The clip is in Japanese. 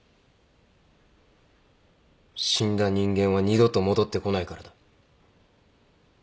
死んだ人間は二度と戻ってこないからだ。